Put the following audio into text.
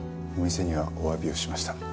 お店にはお詫びをしました。